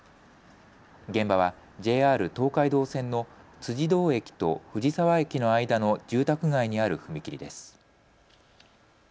現場はＪＲ東海道線の辻堂駅と藤沢駅の間の住宅街にある踏切です。